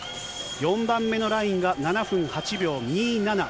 ４番目のラインが７分８秒２７。